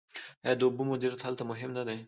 آیا د اوبو مدیریت هلته مهم نه دی؟